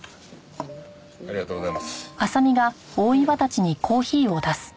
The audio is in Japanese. ありがとうございます。